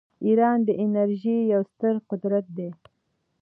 ایران د انرژۍ یو ستر قدرت دی.